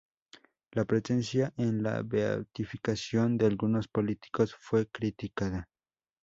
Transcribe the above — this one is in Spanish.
La presencia en la beatificación de algunos políticos fue criticada.